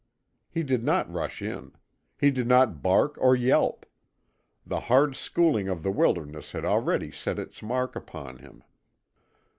He did not rush in. He did not bark or yelp; the hard schooling of the wilderness had already set its mark upon him.